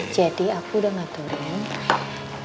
jadi aku udah ngaturin